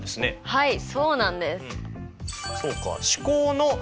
はい。